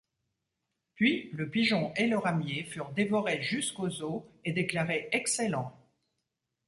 Puis, le pigeon et le ramier furent dévorés jusqu’aux os et déclarés excellents.